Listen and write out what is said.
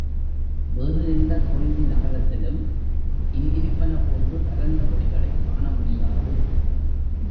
வேறு எந்தக் குறிஞ்சி நகரத்திலும் இங்கிருப்பன போன்று பரந்த வெளிகளைக் காண முடியாது.